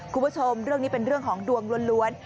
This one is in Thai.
คุณผู้ชมเรื่องนี้เป็นเรื่องของดวงล้วน